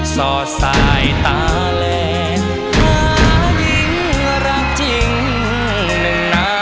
ซอดสายตาและหากิ่งรักจริงนึงนาน